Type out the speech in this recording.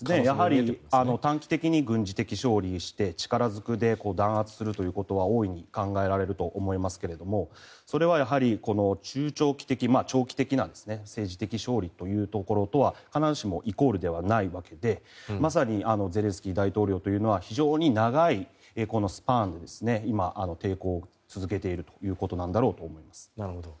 やはり短期的に軍事的勝利して力ずくで弾圧することは大いに考えられると思いますがそれは長期的な政治的勝利というところとは必ずしもイコールではないというところでまさにゼレンスキー大統領というのは非常に長いスパンで今、抵抗を続けているということなんだろうと思います。